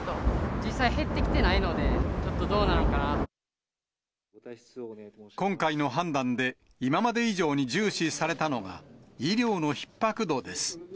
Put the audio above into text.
実際減ってきてないので、今回の判断で、今まで以上に重視されたのが、医療のひっ迫度です。